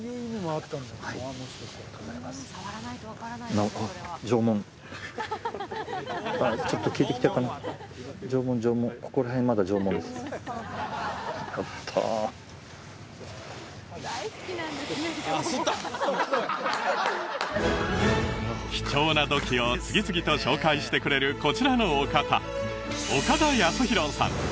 やった貴重な土器を次々と紹介してくれるこちらのお方岡田康博さん